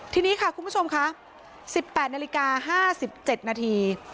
ทีนี้ค่ะคุณผู้ชมค่ะสิบแปดนาฬิกาห้าสิบเจ็ดนาที